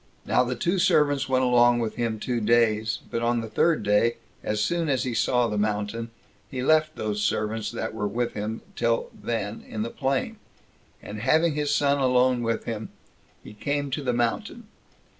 Now the two servants went along with him two days; but on the third day, as soon as he saw the mountain, he left those servants that were with him till then in the plain, and, having his son alone with him, he came to the mountain.